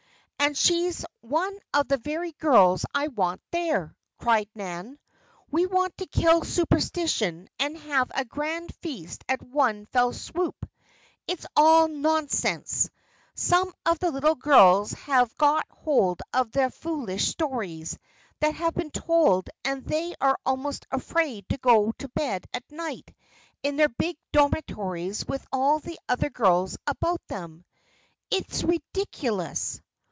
"And she's one of the very girls I want there," cried Nan. "We want to kill superstition and have a grand feast at one fell swoop. It's all nonsense! Some of the little girls have got hold of the foolish stories that have been told and they are almost afraid to go to bed at night in their big dormitories with all the other girls about them. It's ridiculous!"